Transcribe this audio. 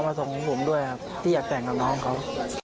ก็มาส่งผมด้วยครับอียายากแต่งกับน้องเค้า